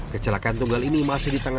kecelakaan tunggal ini masih di tengah